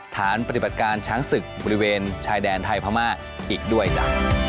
ฐานปฏิบัติการช้างศึกบริเวณชายแดนไทยพม่าอีกด้วยจ้ะ